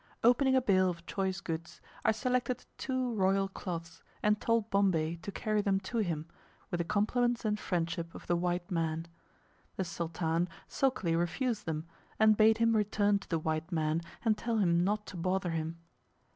Opening a bale of choice goods, I selected two royal cloths, and told Bombay to carry them to him, with the compliments and friendship of the white man. The Sultan sulkily refused them, and bade him return to the white man and tell him not to bother him.